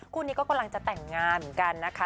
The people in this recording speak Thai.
คู่นี้ก็กำลังจะแต่งงานเหมือนกันนะคะ